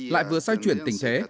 lại vừa xoay chuyển tình thế